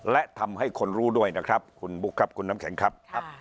และทำให้คนรู้ด้วยนะครับคุณบุ๊คครับคุณน้ำแข็งครับ